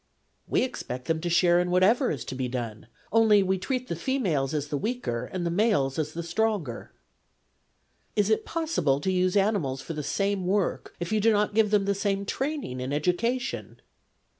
' We expect them to share in whatever is to be done ; only we treat the females as the weaker, and the males as the stronger.' ' Is it possible to use animals for the same work if you do not give them the same training and education